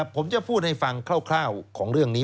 ผมจะพูดให้ฟังคร่าวของเรื่องนี้